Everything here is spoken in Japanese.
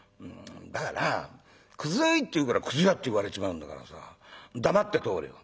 「だから『くずい』って言うから『くず屋』って言われちまうんだからさ黙って通れよ」。